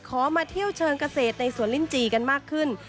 มาเที่ยวเชิงเกษตรในสวนลิ้นจีกันมากขึ้น